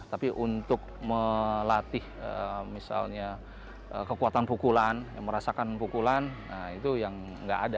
tapi untuk melatih misalnya kekuatan pukulan merasakan pukulan itu yang nggak ada